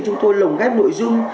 chúng tôi lồng ghép nội dung